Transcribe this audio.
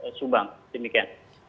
di subang demikian